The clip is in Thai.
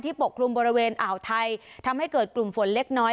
ปกคลุมบริเวณอ่าวไทยทำให้เกิดกลุ่มฝนเล็กน้อย